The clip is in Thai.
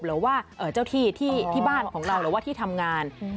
หรือว่าเจ้าที่ที่บ้านของเราหรือว่าที่ทำงาน